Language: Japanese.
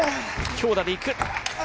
強打でいく。